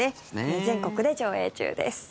全国で上映中です。